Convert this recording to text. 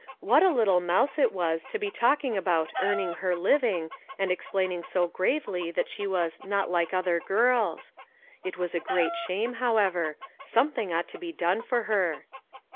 What a little mouse it was to be talking about " earning her living," and explaining so gravely that she was " not like 60 "I'LL DO MY VERY BEST" other girls !" It was a great shame, however ; something ought to be done for her.